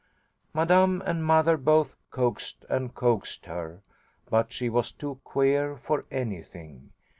Madame and mother both coaxed and coaxed her, but she was too queer for anything.